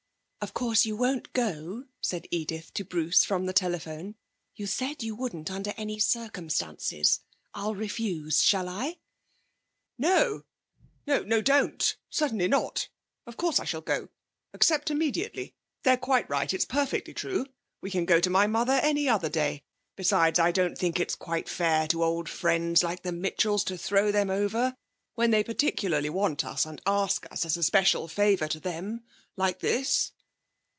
'Of course you won't go,' said Edith to Bruce from the telephone. 'You said you wouldn't under any circumstances. I'll refuse, shall I?' 'No no, don't! Certainly not! Of course I shall go. Accept immediately. They're quite right, it is perfectly true we can go to my mother any other day. Besides, I don't think it's quite fair to old friends like the Mitchells to throw them over when they particularly want us and ask us as a special favour to them, like this.'